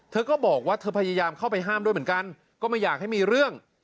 เธอก็บอกว่าเธอพยายามเข้าไปห้ามด้วยเหมือนกันก็ไม่อยากให้มีเรื่อง